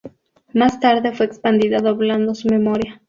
Más tarde fue expandida doblando su memoria.